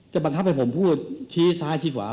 จะบังคับให้ผมพูดทีซ้ายทีขวา